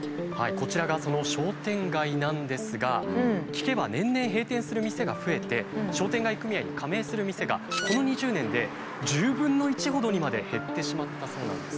こちらがその商店街なんですが聞けば年々閉店する店が増えて商店街組合に加盟する店がこの２０年で１０分の１ほどにまで減ってしまったそうなんです。